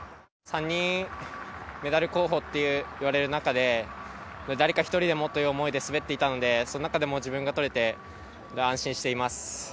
３人、メダル候補といわれる中で誰か１人でもという思いで滑っていたのでその中でも自分が取れて安心しています。